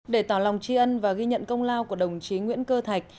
để tỏ lòng tri ân và ghi nhận công lao của đồng chí nguyễn cơ thạch